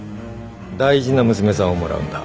大事な娘さんをもらうんだ。